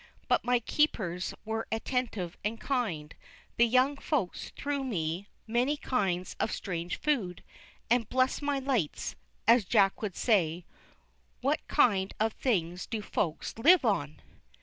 But my keepers were attentive and kind, the young Folks threw me many kinds of strange food, and "Bless my lights!" as Jack would say, what kind of things do Folks live on!